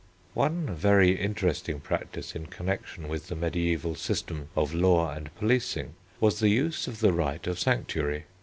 One very interesting practice in connection with the mediæval system of law and policing was the use of the right of sanctuary.